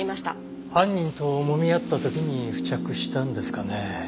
犯人と揉み合った時に付着したんですかねぇ。